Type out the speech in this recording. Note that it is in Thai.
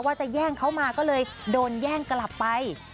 จะแย่งเขามาก็เลยโดนแย่งกลับไป